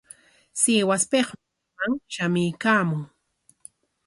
Sihuaspikmi maman shamuykaamun.